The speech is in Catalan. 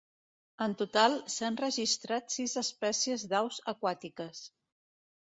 En total, s'han registrat sis espècies d'aus aquàtiques.